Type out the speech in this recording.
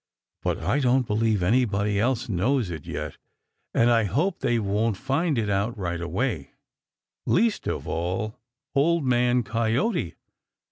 But I don't believe anybody else knows it yet, and I hope they won't find it out right away, least of all Old Man Coyote.